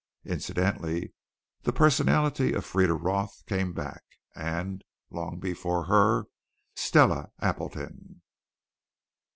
Incidentally the personality of Frieda Roth came back, and long before her Stella Appleton.